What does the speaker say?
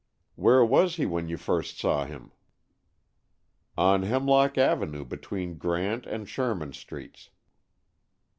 "Where was he when you first saw him?" "On Hemlock Avenue between Grant and Sherman Streets."